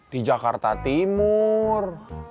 di jakarta timur